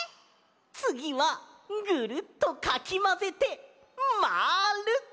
つぎはぐるっとかきまぜてまる！